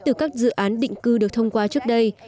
từ các dự án định cư được thông qua trước đây